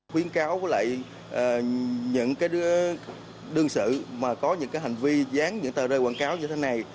khuyến cáo với lại những đương sự mà có những hành vi dán những tờ rơi quảng cáo như thế này